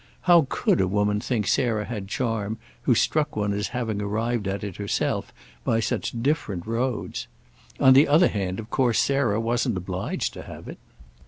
How could a woman think Sarah had charm who struck one as having arrived at it herself by such different roads? On the other hand of course Sarah wasn't obliged to have it.